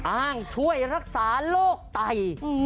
อ้างช่วยรักษาโรคไต